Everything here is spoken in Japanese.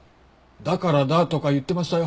だからだとか言ってましたよ。